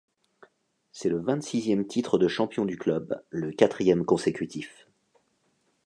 C’est le vingt-sixième titre de champion du club, le quatrième consécutif.